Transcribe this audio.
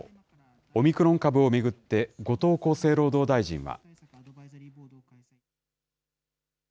オミクロン株を巡って、後藤厚生労働大臣は。